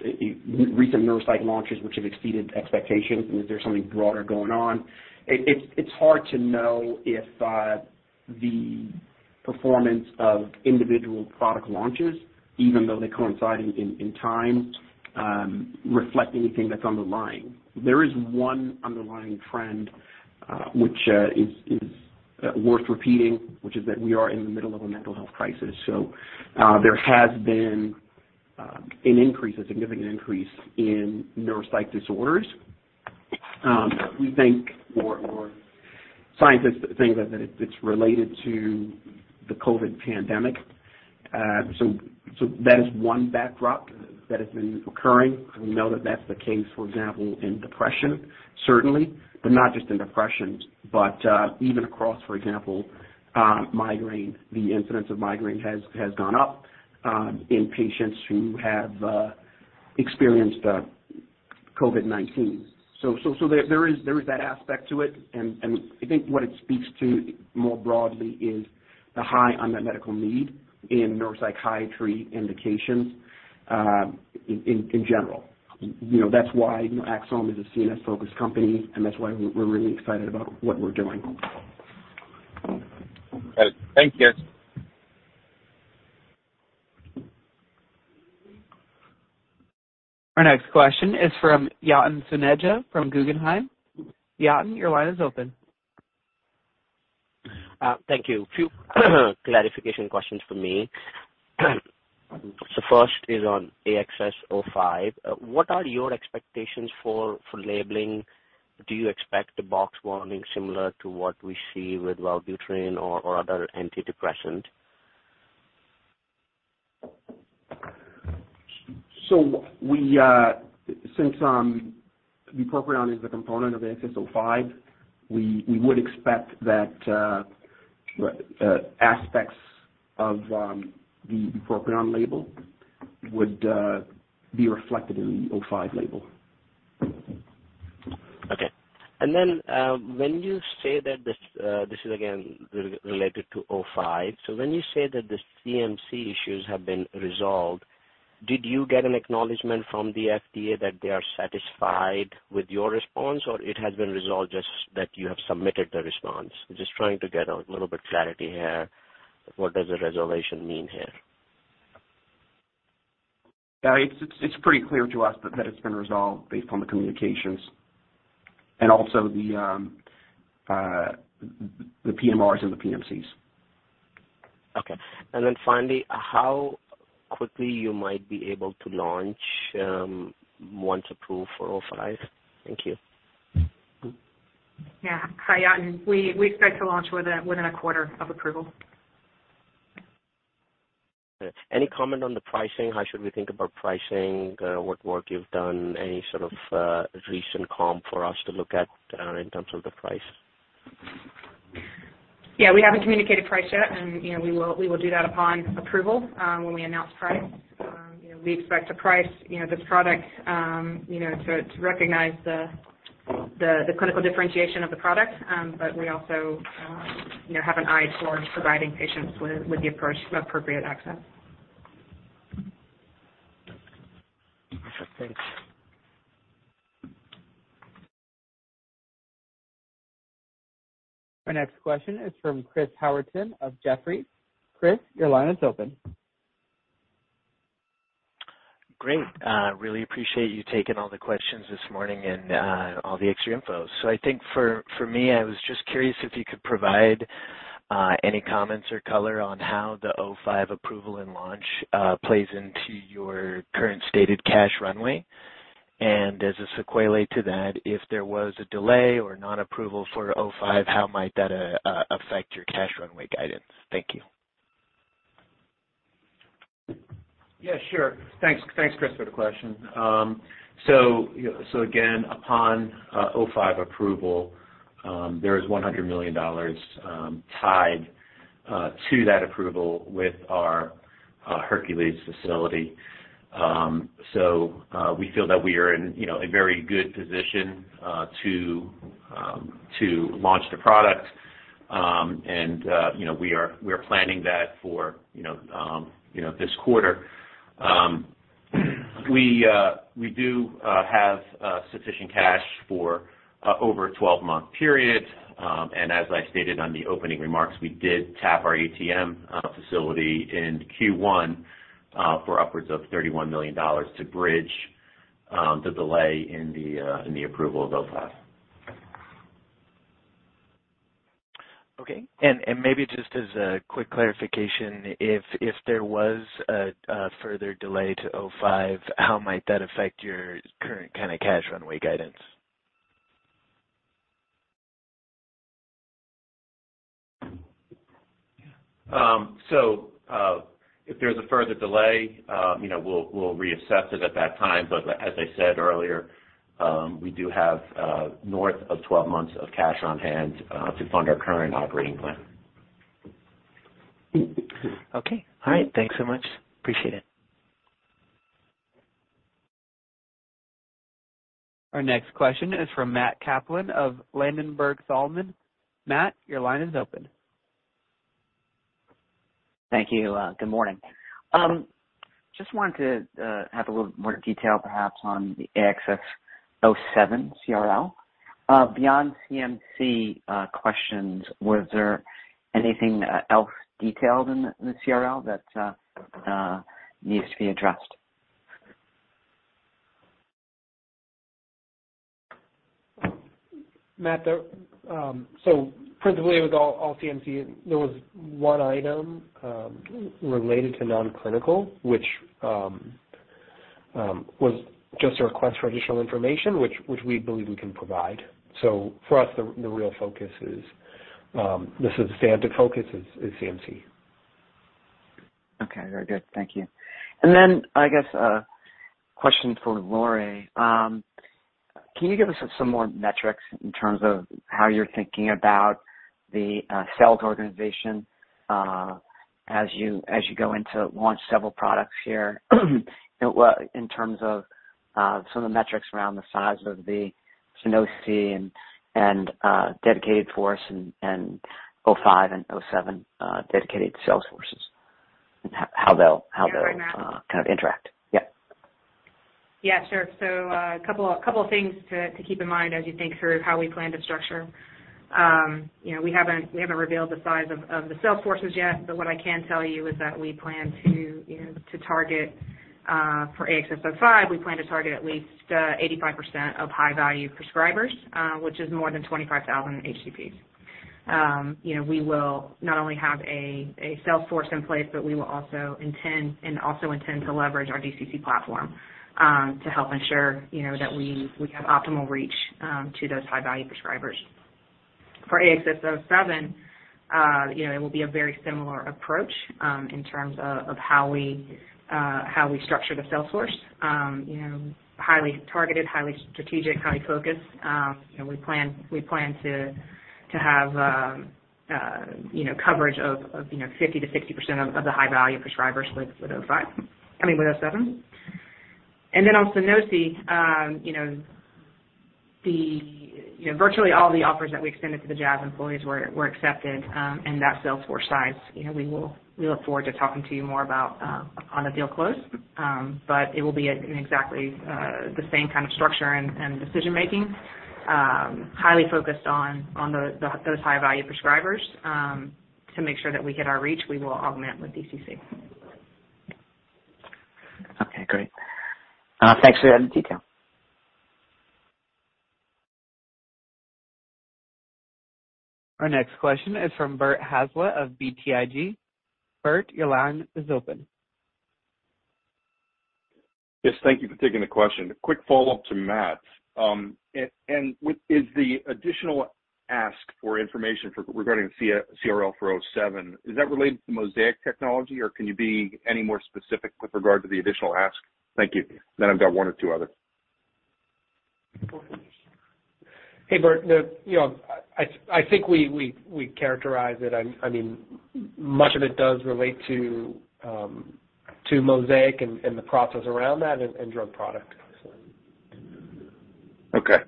recent neuropsych launches which have exceeded expectations. Is there something broader going on? It's hard to know if the performance of individual product launches, even though they coincide in time, reflect anything that's underlying. There is one underlying trend which is worth repeating, which is that we are in the middle of a mental health crisis. There has been an increase, a significant increase in neuropsych disorders. We think or scientists think that it's related to the COVID pandemic. That is one backdrop that has been occurring. We know that that's the case, for example, in depression, certainly, but not just in depression, but even across, for example, migraine. The incidence of migraine has gone up in patients who have experienced COVID-19. There is that aspect to it. I think what it speaks to more broadly is the high unmet medical need in neuropsychiatry indications in general. You know, that's why, you know, Axsome is a CNS-focused company, and that's why we're really excited about what we're doing. Got it. Thank you. Our next question is from Yatin Suneja from Guggenheim. Yatin, your line is open. Thank you. A few clarification questions from me. First is on AXS-05. What are your expectations for labeling? Do you expect a box warning similar to what we see with Wellbutrin or other antidepressant? Since bupropion is a component of the AXS-05, we would expect that aspects of the bupropion label would be reflected in the 05 label. Okay. When you say that this is again related to 05. When you say that the CMC issues have been resolved, did you get an acknowledgement from the FDA that they are satisfied with your response or it has been resolved just that you have submitted the response? I'm just trying to get a little bit clarity here. What does a resolution mean here? It's pretty clear to us that it's been resolved based on the communications and also the PMRs and the PMCs. Okay. Finally, how quickly you might be able to launch once approved for 05? Thank you. Yeah. Yeah, we expect to launch within a quarter of approval. Any comment on the pricing? How should we think about pricing? What work you've done? Any sort of recent comp for us to look at, in terms of the price? Yeah. We haven't communicated price yet and, you know, we will do that upon approval, when we announce price. You know, we expect to price this product, you know, to recognize the clinical differentiation of the product. But we also, you know, have an eye towards providing patients with the approach of appropriate access. Okay. Thanks. Our next question is from Chris Howerton of Jefferies. Chris, your line is open. Great. Really appreciate you taking all the questions this morning and all the extra info. I think for me, I was just curious if you could provide any comments or color on how the 05 approval and launch plays into your current stated cash runway. As a sequelae to that, if there was a delay or non-approval for 05, how might that affect your cash runway guidance? Thank you. Yeah, sure. Thanks. Thanks, Chris, for the question. Again, upon 05 approval, there is $100 million tied to that approval with our Hercules facility. We feel that we are in, you know, a very good position to launch the product. You know, we are planning that for, you know, this quarter. We do have sufficient cash for over a 12-month period. As I stated on the opening remarks, we did tap our ATM facility in Q1 for upwards of $31 million to bridge the delay in the approval of 05. Okay. Maybe just as a quick clarification, if there was a further delay to 05, how might that affect your current kind of cash runway guidance? If there's a further delay, you know, we'll reassess it at that time. As I said earlier, we do have north of 12 months of cash on hand to fund our current operating plan. Okay. All right. Thanks so much. Appreciate it. Our next question is from Matt Kaplan of Ladenburg Thalmann. Matt, your line is open. Thank you. Good morning. Just wanted to have a little more detail perhaps on the AXS-07 CRL. Beyond CMC questions, was there anything else detailed in the CRL that needs to be addressed? Matt, so principally it was all CMC. There was one item related to non-clinical, which was just a request for additional information which we believe we can provide. So for us, the real focus is CMC. Okay. Very good. Thank you. I guess a question for Lori. Can you give us some more metrics in terms of how you're thinking about the sales organization as you go into launch several products here? In terms of some of the metrics around the size of the SUNOSI and dedicated sales force and 05 and 07 dedicated sales forces. How they'll Yeah. I got you. How they'll kind of interact? Yeah. Yeah, sure. A couple of things to keep in mind as you think through how we plan to structure. You know, we haven't revealed the size of the sales forces yet, but what I can tell you is that we plan to target for AXS-05 at least 85% of high-value prescribers, which is more than 25,000 HCPs. You know, we will not only have a sales force in place, but we will also intend to leverage our DCC platform to help ensure that we have optimal reach to those high-value prescribers. For AXS-07, you know, it will be a very similar approach in terms of how we structure the sales force. You know, highly targeted, highly strategic, highly focused. You know, we plan to have coverage of 50%-60% of the high value prescribers with 07. Then on SUNOSI, you know, the. You know, virtually all the offers that we extended to the Jazz employees were accepted, and that sales force size, you know, we look forward to talking to you more about on the deal close. But it will be an exact the same kind of structure and decision making, highly focused on the those high value prescribers. To make sure that we hit our reach, we will augment with DCC. Okay, great. Thanks for that detail. Our next question is from Bert Hazlett of BTIG. Bert, your line is open. Yes, thank you for taking the question. Quick follow-up to Matt. And what is the additional ask for information regarding CRL for 07, is that related to MoSEIC technology, or can you be any more specific with regard to the additional ask? Thank you. I've got one or two other. Hey, Bert. You know, I think we characterize it. I mean, much of it does relate to MoSEIC and the process around that and drug product. Okay.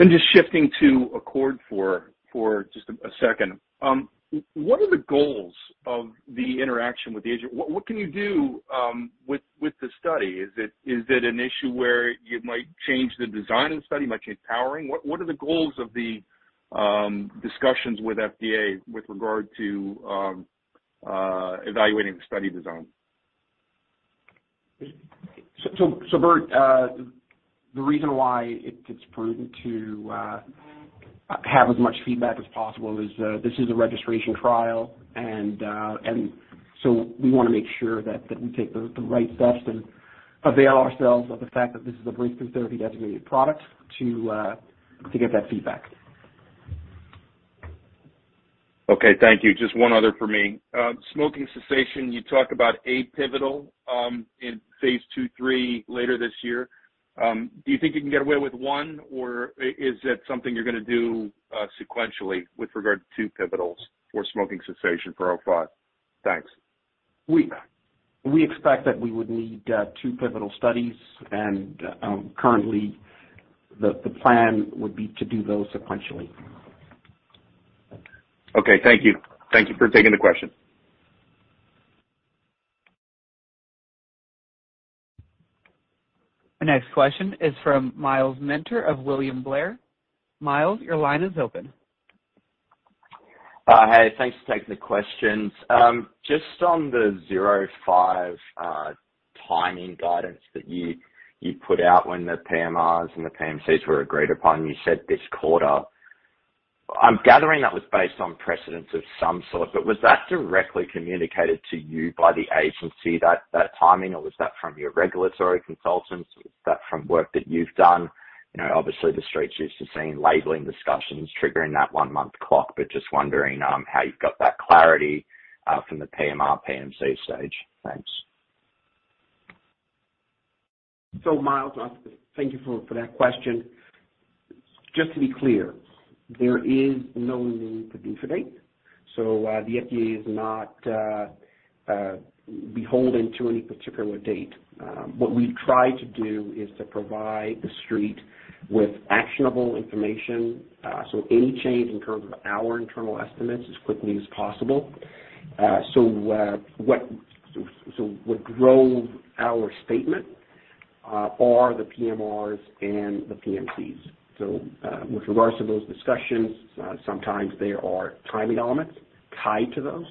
Just shifting to ACCORD for just a second. What are the goals of the interaction with the agency? What can you do with the study? Is it an issue where you might change the design of the study, might change powering? What are the goals of the discussions with FDA with regard to evaluating the study design? Bert, the reason why it's prudent to have as much feedback as possible is. This is a registration trial and so we wanna make sure that we take the right steps and avail ourselves of the fact that this is a Breakthrough Therapy-designated product to get that feedback. Okay, thank you. Just one other for me. Smoking cessation, you talk about a pivotal in phase II/III later this year. Do you think you can get away with one or is that something you're gonna do sequentially with regard to two pivotals for smoking cessation for 05? Thanks. We expect that we would need two pivotal studies and currently the plan would be to do those sequentially. Okay. Thank you. Thank you for taking the question. The next question is from Myles Minter of William Blair. Myles, your line is open. Hey, thanks for taking the questions. Just on the 05, timing guidance that you put out when the PMRs and the PMCs were agreed upon, you said this quarter. I'm gathering that was based on precedent of some sort, but was that directly communicated to you by the agency that timing, or was that from your regulatory consultants? Was that from work that you've done? You know, obviously the Street's used to seeing labeling discussions triggering that one-month clock, but just wondering how you got that clarity from the PMR/PMC stage. Thanks. Myles, thank you for that question. Just to be clear, there is no remaining PDUFA date. The FDA is not beholden to any particular date. What we try to do is to provide the Street with actionable information, so any change in terms of our internal estimates as quickly as possible. What drove our statement are the PMRs and the PMCs. With regards to those discussions, sometimes there are timing elements tied to those.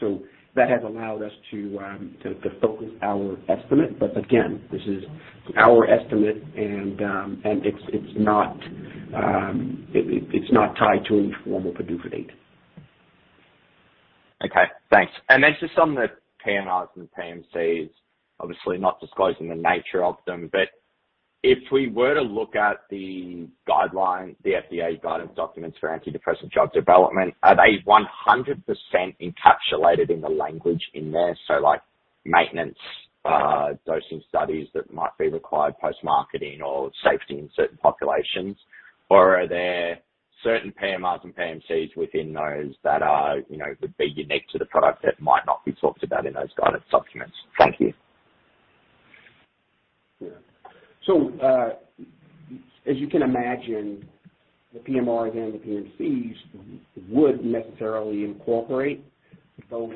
So that has allowed us to focus our estimate. Again, this is our estimate and it's not tied to any formal PDUFA date. Okay, thanks. Just on the PMRs and the PMCs, obviously not disclosing the nature of them, but if we were to look at the guideline, the FDA guidance documents for antidepressant drug development, are they 100% encapsulated in the language in there? Like maintenance, dosing studies that might be required post-marketing or safety in certain populations, or are there certain PMRs and PMCs within those that are, you know, would be unique to the product that might not be talked about in those guidance documents? Thank you. Yeah. As you can imagine, the PMRs and the PMCs would necessarily incorporate both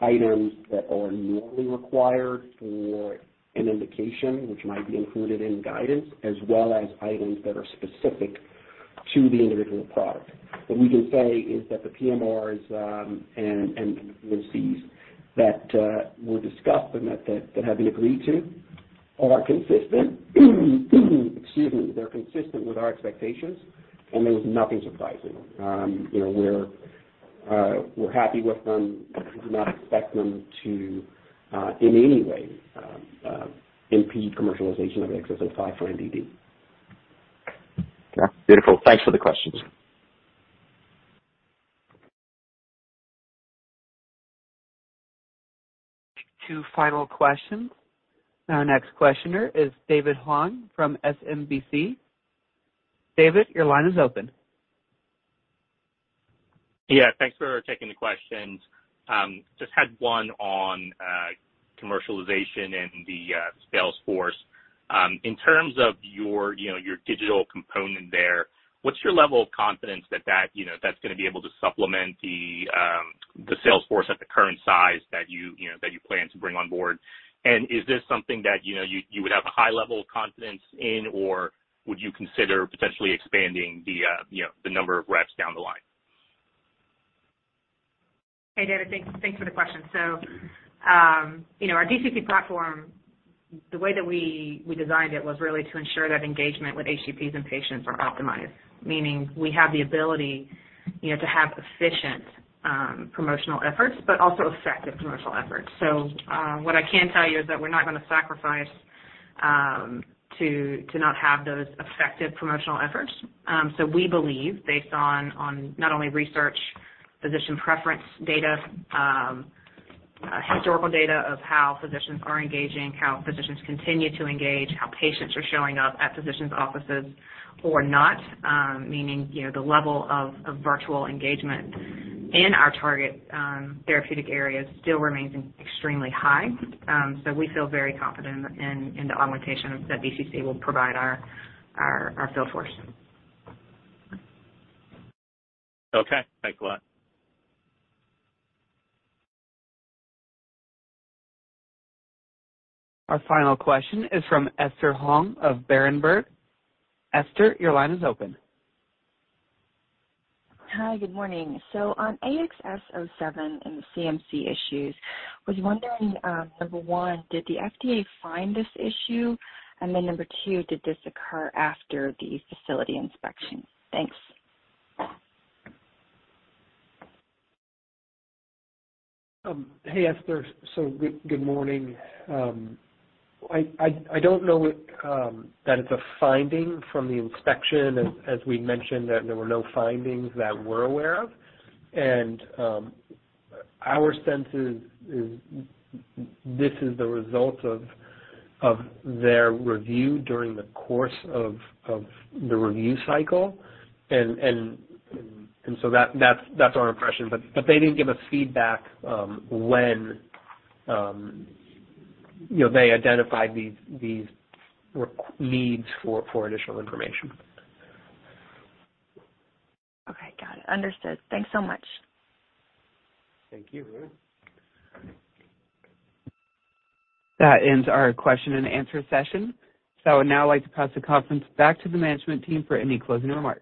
items that are normally required for an indication, which might be included in guidance, as well as items that are specific to the individual product. What we can say is that the PMRs and the PMCs that were discussed and that have been agreed to are consistent, excuse me, they're consistent with our expectations and there was nothing surprising. You know, we're. We're happy with them and do not expect them to, in any way, impede commercialization of AXS-05 for MDD. Yeah, beautiful. Thanks for the questions. Two final questions. Our next questioner is David Hoang from SMBC. David, your line is open. Yeah, thanks for taking the questions. Just had one on commercialization and the sales force. In terms of your, you know, your digital component there, what's your level of confidence that that, you know, that's gonna be able to supplement the sales force at the current size that you know, that you plan to bring on board? And is this something that, you know, you would have a high level of confidence in, or would you consider potentially expanding the, you know, the number of reps down the line? Hey, David. Thanks for the question. Our DCC platform, the way that we designed it was really to ensure that engagement with HCPs and patients are optimized. Meaning we have the ability to have efficient promotional efforts, but also effective promotional efforts. What I can tell you is that we're not gonna sacrifice to not have those effective promotional efforts. We believe based on not only research, physician preference data, historical data of how physicians are engaging, how physicians continue to engage, how patients are showing up at physicians' offices or not, meaning you know the level of virtual engagement in our target therapeutic areas still remains extremely high. We feel very confident in the augmentation that DCC will provide our sales force. Okay. Thanks a lot. Our final question is from Esther Hong of Berenberg. Esther, your line is open. Hi. Good morning. On AXS-07 and the CMC issues, was wondering, number one, did the FDA find this issue? Then number two, did this occur after the facility inspection? Thanks. Hey, Esther. Good morning. I don't know that it's a finding from the inspection. As we mentioned that there were no findings that we're aware of. Our sense is this is the result of their review during the course of the review cycle. That's our impression, but they didn't give us feedback when you know they identified these needs for additional information. Okay. Got it. Understood. Thanks so much. Thank you. That ends our question and answer session. I'd now like to pass the conference back to the management team for any closing remarks.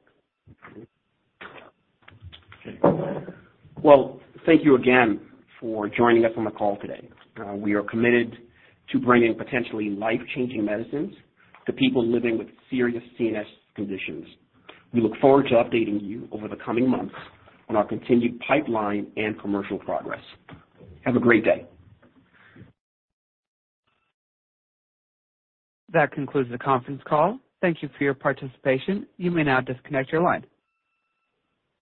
Well, thank you again for joining us on the call today. We are committed to bringing potentially life-changing medicines to people living with serious CNS conditions. We look forward to updating you over the coming months on our continued pipeline and commercial progress. Have a great day. That concludes the conference call. Thank you for your participation. You may now disconnect your line.